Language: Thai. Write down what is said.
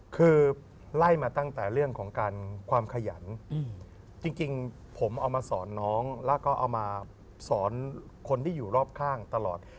คือไล่มาตั้งแต่เรื่องของการความขยันจริงผมเอามาสอนน้องแล้วก็เอามาสอนคนที่อยู่รอบข้างตลอด